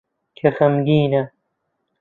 کە خەمگینە